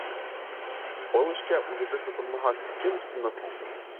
Был эшкә үҙебеҙ тотонмаһаҡ, кем тотонор һуң?!